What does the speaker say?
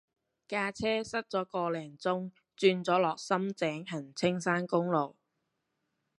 架車塞咗個零鐘轉咗落深井行青山公路